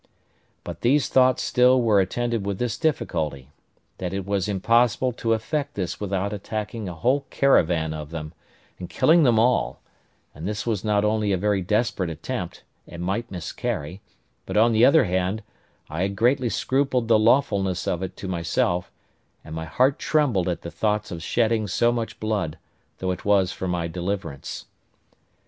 But these thoughts still were attended with this difficulty: that it was impossible to effect this without attacking a whole caravan of them, and killing them all; and this was not only a very desperate attempt, and might miscarry, but, on the other hand, I had greatly scrupled the lawfulness of it to myself; and my heart trembled at the thoughts of shedding so much blood, though it was for my deliverance.